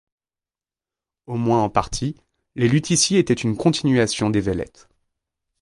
Au moins en partie, les Lutici étaient une continuation des Vélètes.